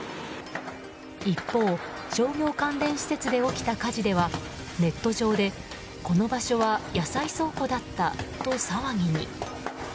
一方、商業関連施設で起きた火事ではネット上で、この場所は野菜倉庫だったと騒ぎに。